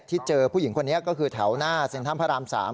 เจอผู้หญิงคนนี้ก็คือแถวหน้าเซ็นทรัมพระราม๓